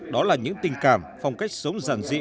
đó là những tình cảm phong cách sống giản dị